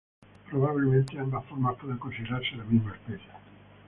Probablemente ambas formas puedan considerarse la misma especie.